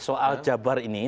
soal jabar ini